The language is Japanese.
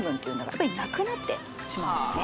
やっぱりなくなってしまうんですね